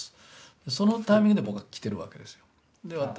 そのタイミングで僕は来てるわけですよ。